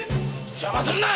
邪魔するな！